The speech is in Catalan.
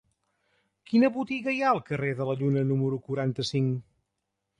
Quina botiga hi ha al carrer de la Lluna número quaranta-cinc?